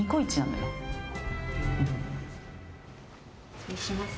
失礼します。